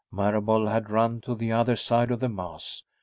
Marable had run to the other side of the mass.